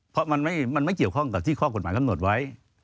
เพราะมันไม่เกี่ยวข้องกับที่ข้อกฎหมายกำหนดไว้